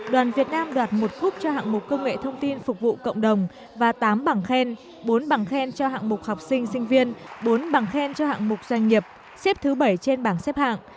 đoàn việt nam đoạt một cúp cho hạng mục công nghệ thông tin phục vụ cộng đồng và tám bằng khen bốn bằng khen cho hạng mục học sinh sinh viên bốn bằng khen cho hạng mục doanh nghiệp xếp thứ bảy trên bảng xếp hạng